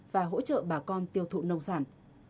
và hỗ trợ bà con tiêu thụ nông sản